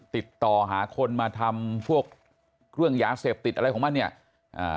ติดต่อหาคนมาทำพวกเรื่องยาเสพติดอะไรของมันเนี่ยอ่า